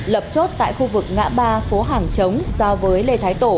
lập chốt tại khu vực ngã ba phố hàng chống giao với lê thái tổ